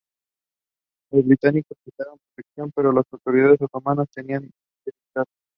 Los británicos le brindaron protección, pero las autoridades otomanas la tenían vigilada.